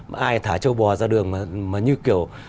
ai thả châu bò ra đường mà như kiểu